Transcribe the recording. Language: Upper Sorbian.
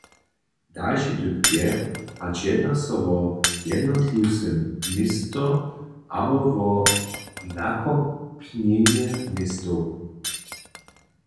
Dalši dypk je, hač jedna so wo jednotliwe město abo wo nakopjenje městow.